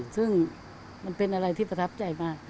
ซึ่งมันเป็นอะไรที่ประทับใจมาก